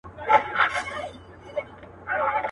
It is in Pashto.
په هغه شپه له پاچا سره واده سوه.